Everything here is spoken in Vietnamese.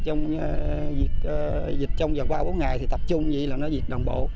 mình dịch trong vòng ba bốn ngày thì tập trung như vậy là nó dịch đồng bộ